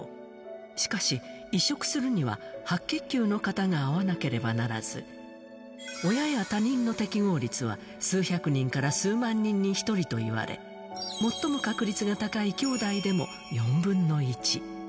しかし、移植するには白血球の型が合わなければならず、親や他人の適合率は数百人から数万人に１人といわれ、最も確率が高いきょうだいでも４分の１。